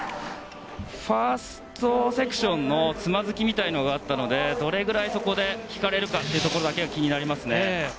ファーストセクションでつまずきがあったのでどれぐらいそこで引かれるかだけが気になりますね。